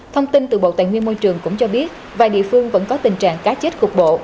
thông tin từ bộ tài nguyên môi trường cũng cho biết vài địa phương vẫn có tình trạng cá chết cục bộ